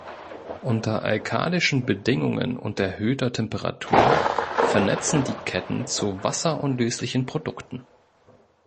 Unter alkalischen Bedingungen und erhöhter Temperatur vernetzen die Ketten zu wasserunlöslichen Produkten.